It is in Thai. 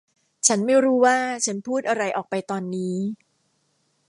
ฉันไม่รู้ว่าฉันพูดอะไรออกไปตอนนี้